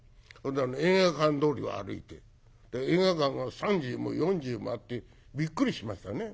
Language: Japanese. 映画館通りを歩いて映画館が３０も４０もあってびっくりしましたね。